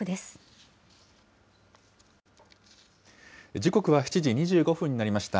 時刻は７時２５分になりました。